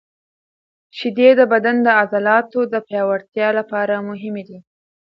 شیدې د بدن د عضلاتو د پیاوړتیا لپاره مهمې دي.